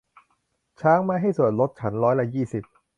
ช่างไม้ให้ส่วนลดฉันร้อยละยี่สิบ